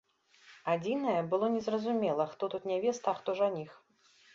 Адзінае, было незразумела, хто тут нявеста, а хто жаніх.